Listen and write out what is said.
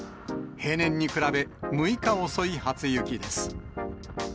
平年に比べ、６日遅い初雪です。